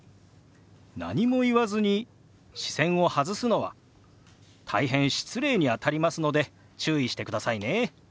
何も言わずに視線を外すのは大変失礼にあたりますので注意してくださいね。